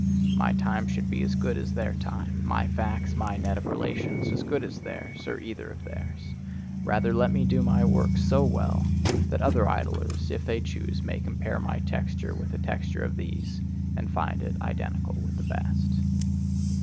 My time should be as good as their time,—my facts, my net of relations, as good as theirs, or either of theirs. Rather let me do my work so well that other idlers if they choose may compare my texture with the texture of these and find it identical with the best.